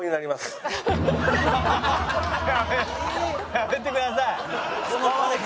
やめてください。